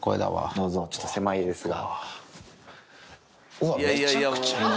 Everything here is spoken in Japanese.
どうぞちょっと狭いですが。